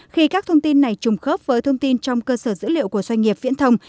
khi các thông tin này trùng khớp với thông tin trong cơ sở dữ liệu của doanh nghiệp viễn thông